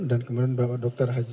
dan kemudian bapak dr haji